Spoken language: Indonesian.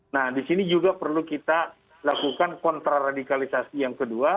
nah di sini juga perlu kita lakukan kontraradikalisasi yang kedua